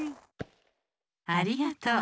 ありがとう！